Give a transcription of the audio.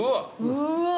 うわ！